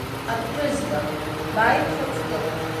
Аԥҳәызба, бааи бхаҵкы!